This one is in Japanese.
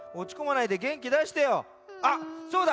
あっそうだ！